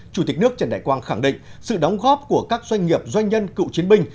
chủ tịch nước trần đại quang khẳng định sự đóng góp của các doanh nghiệp doanh nhân cựu chiến binh